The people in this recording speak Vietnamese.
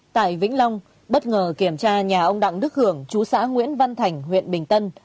tại vĩnh long bất ngờ kiểm tra nhà ông đặng đức hưởng chú xã nguyễn văn thành huyện bình tân